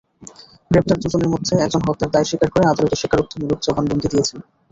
গ্রেপ্তার দুজনের মধ্যে একজন হত্যার দায় স্বীকার করে আদালতে স্বীকারোক্তিমূলক জবানবন্দি দিয়েছেন।